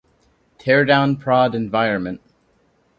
Teardown prod environment